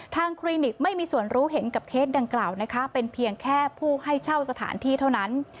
คลินิกไม่มีส่วนรู้เห็นกับเคสดังกล่าวนะคะเป็นเพียงแค่ผู้ให้เช่าสถานที่เท่านั้น